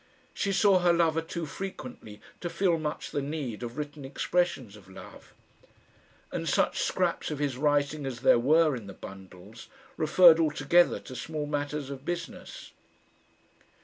She saw her lover too frequently to feel much the need of written expressions of love; and such scraps of his writing as there were in the bundles, referred altogether to small matters of business.